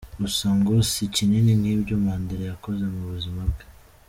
Gusa ngo si kinini nk’ibyo Mandela yakoze mu buzima bwe.